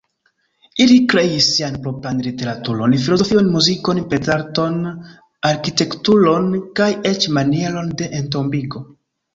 Ili kreis sian propran literaturon, filozofion, muzikon, pentrarton, arkitekturon kaj eĉ manieron de entombigo.